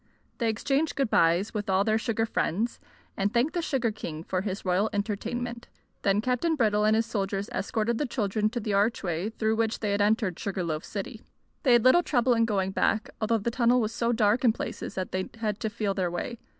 They exchanged good byes with all their sugar friends, and thanked the sugar king for his royal entertainment. Then Captain Brittle and his soldiers escorted the children to the archway through which they had entered Sugar Loaf City. They had little trouble in going back, although the tunnel was so dark in places that they had to feel their way.